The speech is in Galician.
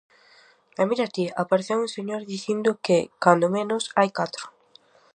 E mira ti, apareceu un señor dicindo que, cando menos, hai catro.